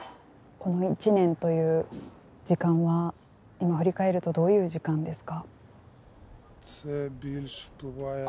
この１年という時間は今振り返るとどういう時間ですか。